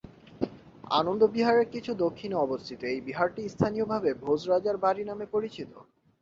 আনন্দ বিহারের কিছু দক্ষিণে অবস্থিত এই বিহারটি স্থানীয়ভাবে ভোজ রাজার বাড়ী নামে পরিচিত।